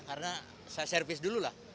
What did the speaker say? karena saya servis dulu lah